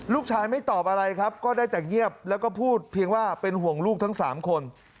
ลูกชายไม่ตอบอะไรครับก็ได้แต่เงียบแล้วก็พูดเพียงว่าเป็นห่วงลูกทั้ง๓คน